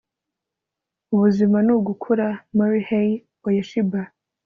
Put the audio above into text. ubuzima ni ugukura. - morihei ueshiba